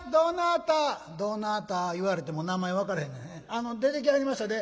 あの出てきはりましたで。